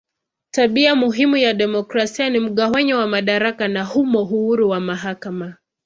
Tabia muhimu ya demokrasia ni mgawanyo wa madaraka na humo uhuru wa mahakama.